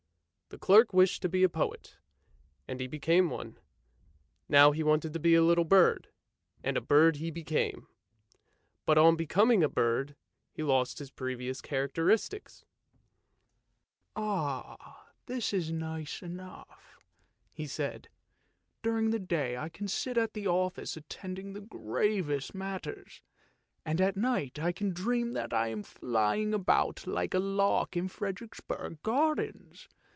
The clerk wished to be a poet, and he became one; now he wanted to be a THE GOLOSHES OF FORTUNE 327 little bird, and a bird he became; but on becoming a bird he lost his previous characteristics. " This is nice enough," he said; " during the day I can sit at the office attending to the gravest matters, and at night I can dream that I am flying about like a lark in Frederiksborg gar dens.